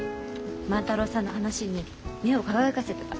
万太郎さんの話に目を輝かせてた。